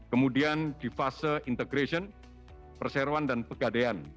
kemudian di fase integration perseroan dan pegadaian